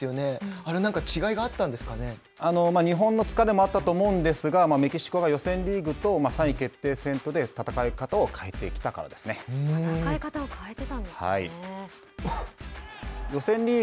あれ何か日本の疲れもあったと思うんですがメキシコが予選リーグと３位決定戦とで戦い方を戦い方を変えてたんですね。